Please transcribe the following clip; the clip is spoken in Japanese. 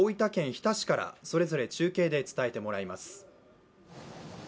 日田市からそれぞれ中継で伝えてもらいます。